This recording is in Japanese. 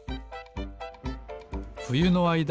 ふゆのあいだ